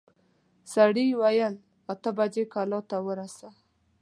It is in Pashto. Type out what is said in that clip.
سړي وويل اته بجې کلا ته ورسه.